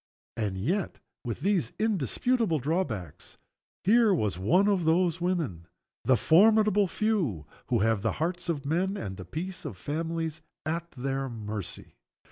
And yet, with these indisputable drawbacks, here was one of those women the formidable few who have the hearts of men and the peace of families at their mercy.